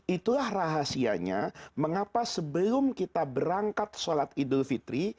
itulah rahasianya mengapa sebelum kita berangkat sholat idul fitri